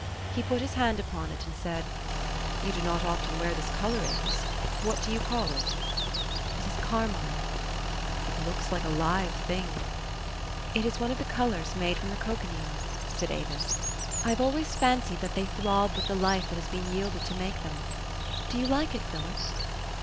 He put his hand upon it, and said, " You do not often wear this color, Avis. What do you call it?" 4 ' It is carmine." " It looks like a live thing." " It is oiieof the colors made from the cochineal," THE STORY OF AVIS. 243 said Avis. " I have always fancied that they throb with the life that has been yielded to make them. Do you like it, Philip?"